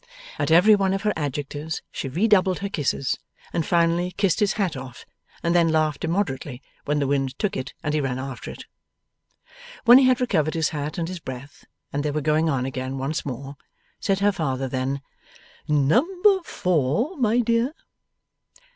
At every one of her adjectives she redoubled her kisses, and finally kissed his hat off, and then laughed immoderately when the wind took it and he ran after it. When he had recovered his hat and his breath, and they were going on again once more, said her father then: 'Number four, my dear?